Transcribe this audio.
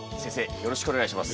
よろしくお願いします。